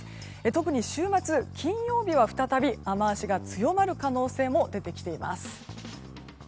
特に週末、金曜日は再び雨脚が強まる可能性も出てきています。